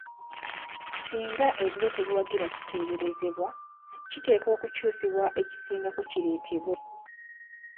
Singa ebiwe tebiwagira kiteeberezebwa, kiteekwa okukyusibwa ekisingako kireetebwe.